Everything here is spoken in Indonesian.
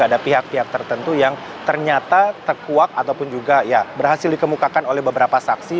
tapi kira kira ini masih berhasil dikemukakan oleh beberapa saksi